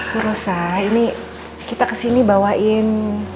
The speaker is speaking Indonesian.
bu rosa ini kita kesini bawain